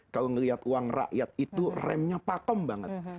kalau melihat uang rakyat itu remnya pakem banget